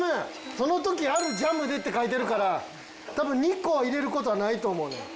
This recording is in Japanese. その時あるジャムでって書いてるから多分２個は入れる事はないと思うねん。